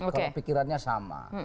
kalau pikirannya sama